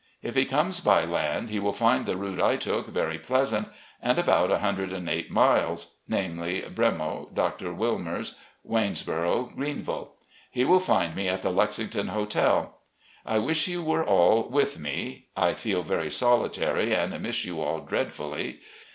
If he comes by land, he will find the route I took very pleasant, and about 108 miles, namely: 'Bremo' — Dr. Wilmer's — ^Waynesboro' — Greenville. He will find me at the Lexington Hotel. ... I wish you were all with me. I feel very solitary and miss you all dreadfully.